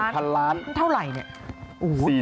พันล้านเท่าไหร่เนี่ย